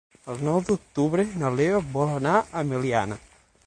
El nou d'octubre na Lea vol anar a Meliana.